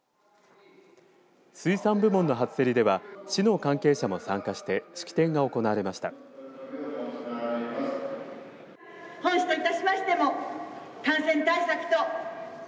水産部門の初競りでは市の関係者も参加して式典が行われました。